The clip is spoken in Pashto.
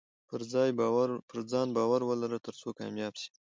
پرځان باور ولره ترڅو کامياب سې